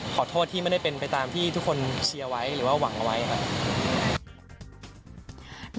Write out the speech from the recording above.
ขอโทษที่ไม่ได้เป็นไปตามที่ทุกคนเชียร์ไว้หรือว่าหวังเอาไว้ครับ